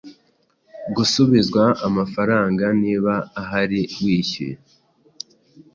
gusubizwa amafaranga niba ahari wishyuye